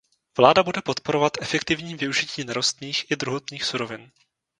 Vláda bude podporovat efektivní využití nerostných i druhotných surovin.